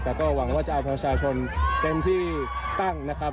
แต่ก็หวังว่าจะเอาประชาชนเต็มที่ตั้งนะครับ